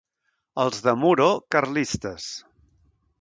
Els de Muro, carlistes.